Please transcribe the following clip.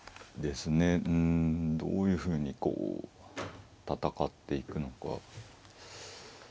どういうふうにこう戦っていくのか。